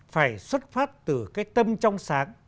phải xuất phát từ cái tâm trong sáng